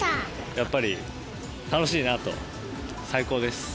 やっぱり楽しいなと、最高です。